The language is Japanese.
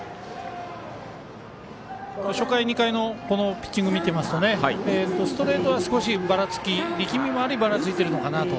初回、２回のピッチング見ていますとストレートは少しばらつき力みもありばらついているのかなと。